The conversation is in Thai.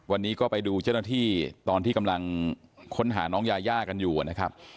วันนี้ก็ไปดูเจ้าหน้าที่ตอนที่กำลังค้นหาน้องยายากันอยู่นะครับ